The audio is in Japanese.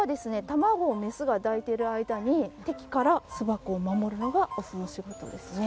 卵をメスが抱いている間に敵から巣箱を守るのがオスの仕事ですね。